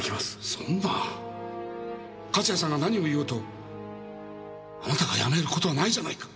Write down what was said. そんな勝谷さんが何を言おうとあなたが辞める事はないじゃないか。